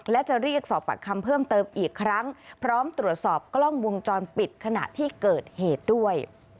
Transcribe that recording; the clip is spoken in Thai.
และจะเรียกสอบปากคำเพิ่มเติมอีกครั้งพร้อมตรวจสอบกล้องวงจรปิดขณะที่เกิดเหตุด้วย